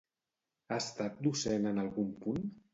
Ha estat docent en algun punt?